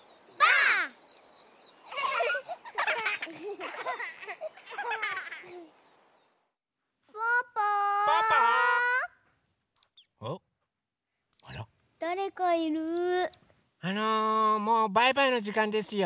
あのもうバイバイのじかんですよ。